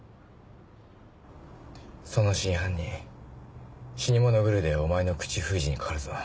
その真犯人死に物狂いでお前の口封じにかかるぞ。